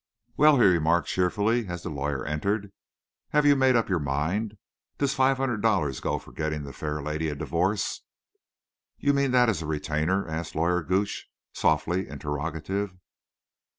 "Well," he remarked, cheerfully, as the lawyer entered, "have you made up your mind? Does five hundred dollars go for getting the fair lady a divorce?" "You mean that as a retainer?" asked Lawyer Gooch, softly interrogative.